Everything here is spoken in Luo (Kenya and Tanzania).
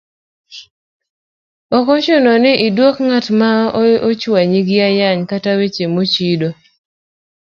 Ok ochuno ni idwok ng'at ma ochwanyi gi ayany kata weche mochido,